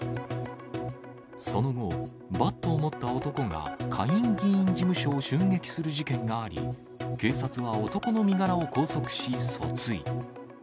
その後、バットを持った男が下院議員事務所を襲撃する事件があり、警察は男の身柄を拘束し訴追。